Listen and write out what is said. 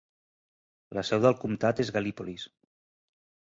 La seu del comptat és Gallipolis.